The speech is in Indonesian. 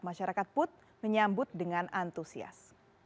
masyarakat put menyambut dengan antusias